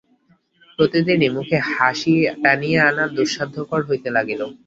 প্রতিদিনই মুখে হাসি টানিয়া আনা দুঃসাধ্যকর হইতে লাগিল।